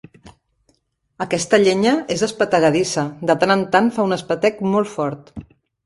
Aquesta llenya és espetegadissa: de tant en tant fa un espetec molt fort.